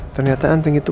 ternyata anting itu